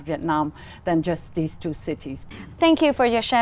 vì sau đó tôi sẽ phải biết